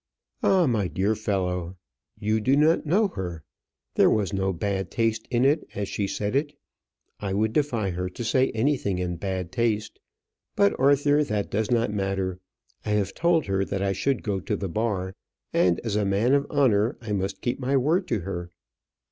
"Ah! my dear fellow, you do not know her. There was no bad taste in it, as she said it. I would defy her to say anything in bad taste. But, Arthur, that does not matter. I have told her that I should go to the bar; and, as a man of honour, I must keep my word to her."